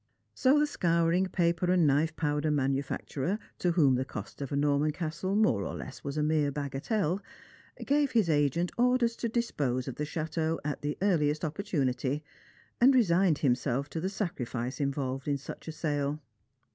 So the scouring paper and knife powder manufacturer, to whom the cost of a Norman castle more or less was a mere bagatelle, gave hia Bgent orders to dispose of the chateau at the earliest opportunity, and resigned himself to the sacrifice involved in such a sale.